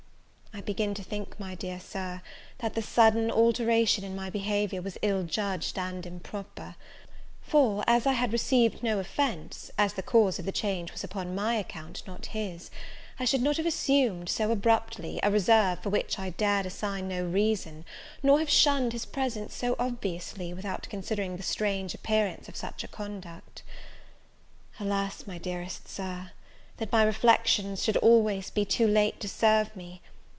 I begin to think, my dear Sir, that the sudden alteration in my behaviour was ill judged and improper; for, as I had received no offence, as the cause of the change was upon my account, not his, I should not have assumed, so abruptly, a reserve for which I dared assign no reason, nor have shunned his presence so obviously, without considering the strange appearance of such a conduct. Alas, my dearest Sir, that my reflections should always be too late to serve me!